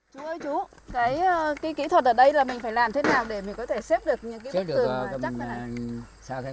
chú ơi chú cái kỹ thuật ở đây là mình phải làm thế nào để mình có thể xếp được những cái bức tường chắc thế này